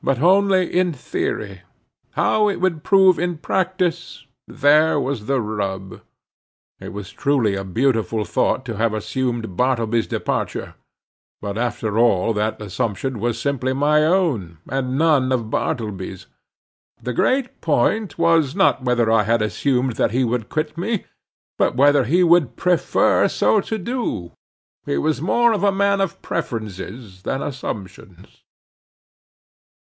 —but only in theory. How it would prove in practice—there was the rub. It was truly a beautiful thought to have assumed Bartleby's departure; but, after all, that assumption was simply my own, and none of Bartleby's. The great point was, not whether I had assumed that he would quit me, but whether he would prefer so to do. He was more a man of preferences than assumptions.